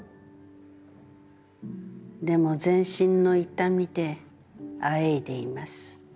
でも、全身の痛みであえいでいます。